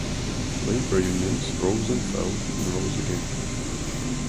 Labour unions rose and fell and rose again.